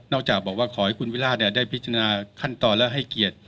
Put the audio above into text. จากบอกว่าขอให้คุณวิราชได้พิจารณาขั้นตอนและให้เกียรติ